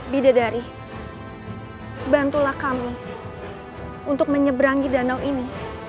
bidadari bantulah kami untuk menyeberangi danau ini